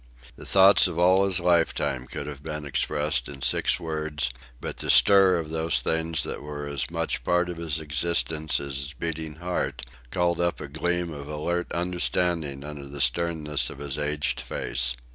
The thoughts of all his lifetime could have been expressed in six words, but the stir of those things that were as much part of his existence as his beating heart called up a gleam of alert understanding upon the sternness of his aged face.